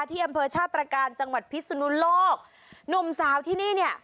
ที่อำเภอชาติตรการจังหวัดพิศนุโลกหนุ่มสาวที่นี่เนี่ย